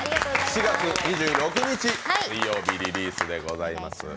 ４月２６日水曜日リリースでございます。